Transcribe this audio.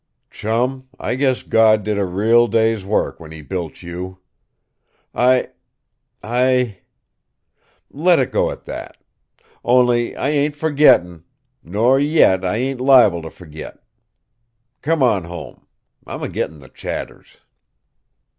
Chum, I guess God did a real day's work when He built you. I I Let it go at that. Only I ain't forgettin'. Nor yet I ain't li'ble to forget. Come on home. I'm a gittin' the chatters!"